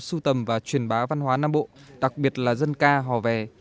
sưu tầm và truyền bá văn hóa nam bộ đặc biệt là dân ca hò vè